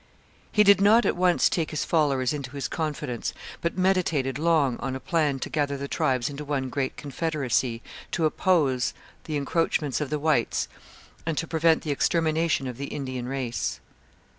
He did not at once take his followers into his confidence, but meditated long on a plan to gather the tribes into one great confederacy to oppose the encroachments of the whites and to prevent the extermination of the Indian race.